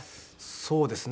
そうですね。